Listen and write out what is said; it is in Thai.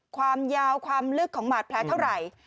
ความยาวความลึกของบาดแผลเท่าไหร่